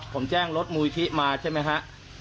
ผมแจ้งรถมูลิธิมาใช่ไหมฮะ